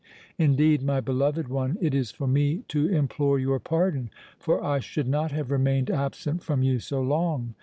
Indeed, my beloved one, it is for me to implore your pardon—for I should not have remained absent from you so long.